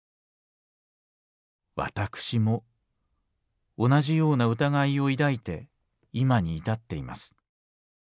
私も同じような疑いを抱いて今に至っています。